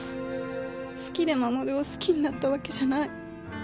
好きで衛を好きになったわけじゃない。